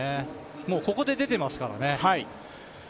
もうここで出てますからね。